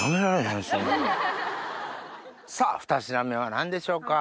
さぁ２品目は何でしょうか？